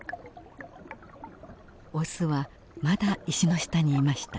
オスはまだ石の下にいました。